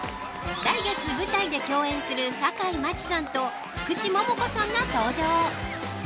来月、舞台で共演する坂井真紀さんと福地桃子さんが登場。